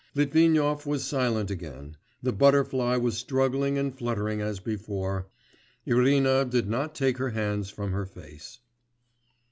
Litvinov was silent again; the butterfly was struggling and fluttering as before. Irina did not take her hands from her face.